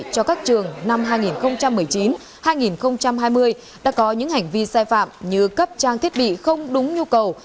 cho các trường năm hai nghìn một mươi chín hai nghìn hai mươi đã có những hành vi sai phạm như cấp trang thiết bị không đúng nhu cầu